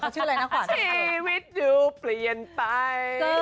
ชีวิตดูเปลี่ยนไป